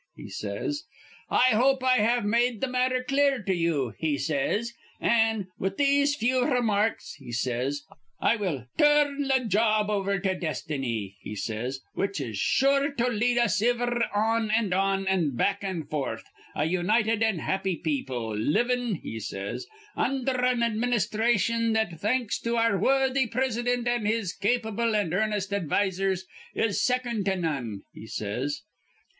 he says. 'I hope I have made th' matther clear to ye,' he says, 'an', with these few remarks,' he says, 'I will tur rn th' job over to destiny,' he says, 'which is sure to lead us iver on an' on, an' back an' forth, a united an' happy people, livin',' he says, 'undher an administhration that, thanks to our worthy Prisidint an' his cap ble an' earnest advisers, is second to none,' he says."